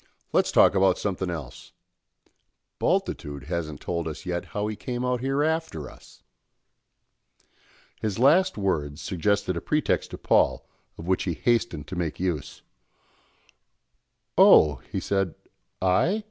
Let's talk about something else. Bultitude hasn't told us yet how he came out here after us." His last words suggested a pretext to Paul, of which he hastened to make use. "Oh," he said, "I?